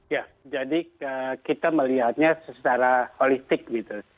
ya jadi kita melihatnya secara holistik gitu